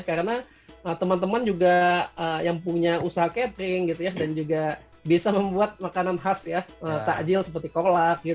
karena teman teman juga yang punya usaha catering gitu ya dan juga bisa membuat makanan khas ya takjil seperti kolak gitu ya